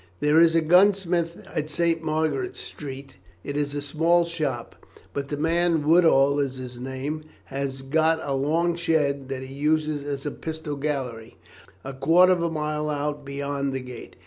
"There is a gunsmith in St. Margaret's Street. It is a small shop, but the man, Woodall is his name, has got a long shed that he uses as a pistol gallery, a quarter of a mile out beyond the gate.